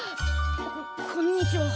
ここんにちは。